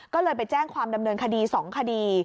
ก็เลยไปแจ้งความดำเนินคดี๒คดี